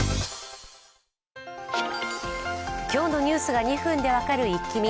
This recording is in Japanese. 今日のニュースが２分で分かるイッキ見。